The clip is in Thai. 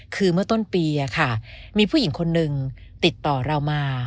คือเมื่อต้นปีมีผู้หญิงคนนึงติดต่อเรามา